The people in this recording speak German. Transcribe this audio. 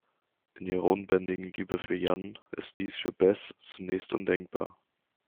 In ihrer unbändigen Liebe für Jan ist dies für Bess zunächst undenkbar.